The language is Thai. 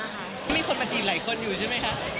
มีคนมาจีบหลายคนอยู่ใช่ไหมคะ